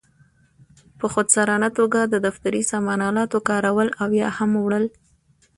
په خودسرانه توګه د دفتري سامان آلاتو کارول او یا هم وړل.